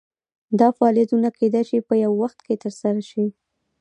دا فعالیتونه کیدای شي په یو وخت ترسره شي.